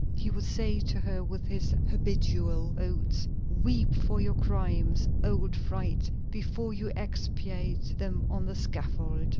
He will say to her with his habitual oaths: "Weep for your crimes, old fright, before you expiate them on the scaffold!"